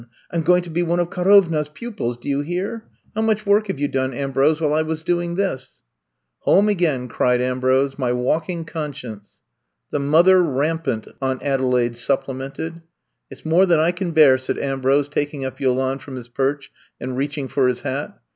I 'm going to be one of Karovna 's pupils, do you hear? How much work have you done, Ambrose, while I was doing this !'' *^Home again,'' cried Aimbrose, my walking conscience!" The mother rampant," Aunt Adelaide supplemented. It 's more than I can bear," said Am brose, taking up Yolande from his perch and reaching for his hat.